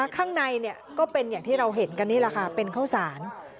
ข้างในก็เป็นอย่างที่เราเห็นกันนี่แหละค่ะเป็นข้าวสาร